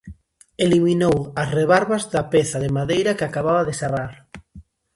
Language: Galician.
Eliminou as rebarbas da peza de madeira que acababa de serrar.